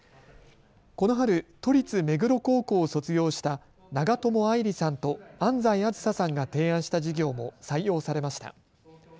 この春、都立目黒高校を卒業した長友愛理さんと安齋杏紗さんが提案した事業も採用されました。